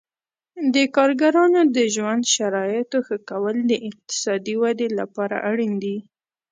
د کارګرانو د ژوند شرایطو ښه کول د اقتصادي ودې لپاره اړین دي.